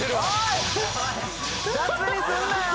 ・雑にすんなよ。